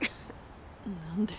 何で？